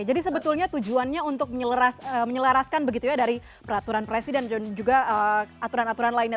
jadi sebetulnya tujuannya untuk menyelaraskan begitu ya dari peraturan presiden dan juga aturan aturan lainnya